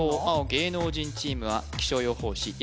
青芸能人チームは気象予報士